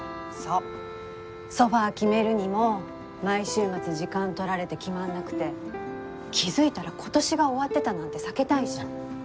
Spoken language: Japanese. ソファ決めるにも毎週末時間とられて決まんなくて気づいたら今年が終わってたなんて避けたいし。